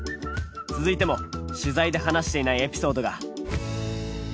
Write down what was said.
続いても取材で話していないエピソードが。